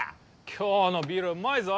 今日のビールはうまいぞ・